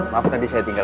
maaf tadi saya tinggal